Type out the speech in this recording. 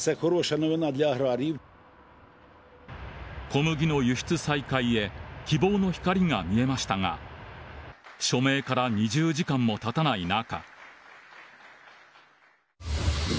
小麦の輸出再開へ希望の光が見えましたが署名から２０時間もたたない中。